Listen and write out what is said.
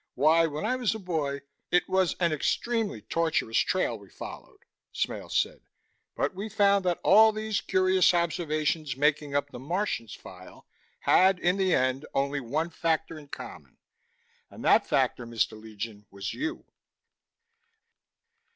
"Why, when I was a boy " "It was an extremely tortuous trail we followed," Smale said. "But we found that all these curious observations making up the 'Martians' file had, in the end, only one factor in common. And that factor, Mr. Legion, was you."